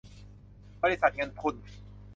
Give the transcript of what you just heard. บริษัทเงินทุน